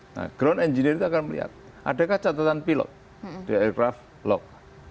nah ground engineer itu akan melihat adakah catatan pilot di aircraft log